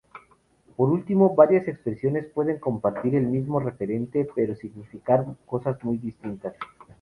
Por último, varias expresiones pueden compartir el mismo referente pero significar cosas muy distintas.